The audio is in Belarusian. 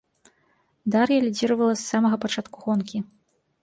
Дар'я лідзіравала с самага пачатку гонкі.